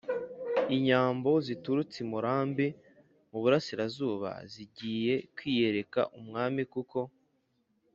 inyambo ziturutse i murambi mu burasirazuba, zigiye kwiyereka umwami kuko